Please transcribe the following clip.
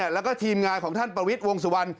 แล้วก็ทีมงานของท่านประวิทย์วงสุวรรณ